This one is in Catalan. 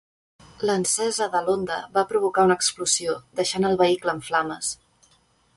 L'encesa de l'Honda va provocar una explosió, deixant el vehicle en flames.